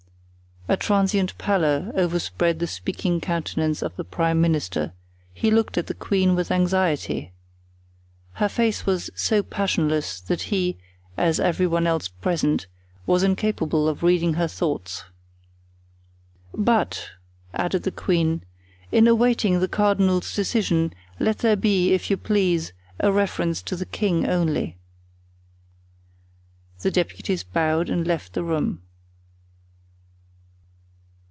A transient pallor overspread the speaking countenance of the prime minister; he looked at the queen with anxiety. Her face was so passionless, that he, as every one else present, was incapable of reading her thoughts. "But," added the queen, "in awaiting the cardinal's decision let there be, if you please, a reference to the king only." The deputies bowed and left the room.